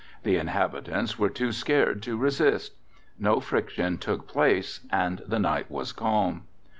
The inhabitants were too scared to resist. No friction took place and the night was calm.